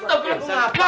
nanda kamu dimana nanda